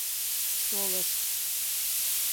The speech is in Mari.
Толышт.